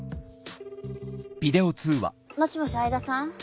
もしもし相田さん？